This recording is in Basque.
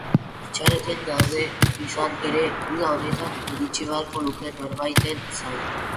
Itxaroten daude, izan ere, uda honetan iritsi beharko lukeen norbaiten zain.